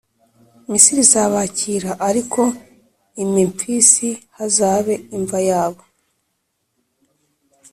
Misiri izabakira, ariko i Memfisi hazabe imva yabo;